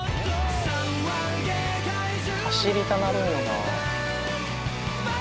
走りたなるんよな。